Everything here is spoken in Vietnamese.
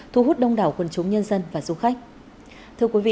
thu hút đông đảo quần chúng nhân dân và du khách